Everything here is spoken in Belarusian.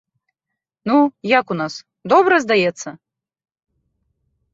Ну, як у нас, добра, здаецца?